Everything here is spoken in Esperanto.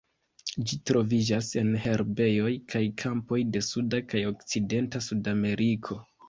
Ĝi troviĝas en herbejoj kaj kampoj de suda kaj okcidenta Sudameriko.